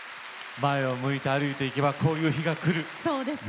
前を向いて歩いていけばこういう日が来る。